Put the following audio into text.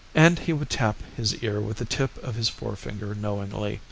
And he would tap his ear with the tip of his forefinger knowingly.